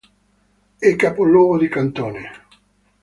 È capoluogo di cantone.